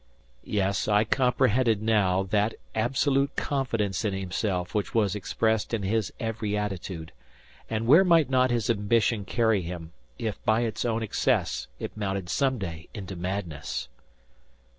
Yes, I comprehended now that absolute confidence in himself which was expressed in his every attitude. And where might not his ambition carry him, if by its own excess it mounted some day into madness!